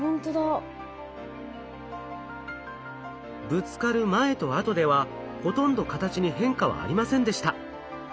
ぶつかる前と後ではほとんど形に変化はありませんでした。